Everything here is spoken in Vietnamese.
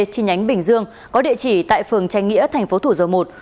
trên nhánh bình dương có địa chỉ tại phường tranh nghĩa tp thủ dầu một